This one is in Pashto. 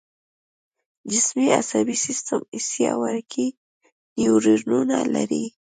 جسمي عصبي سیستم حسي او حرکي نیورونونه لري